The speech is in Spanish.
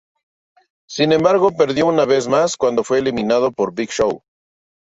Sin embargo, perdió una vez más cuando fue eliminado por Big Show.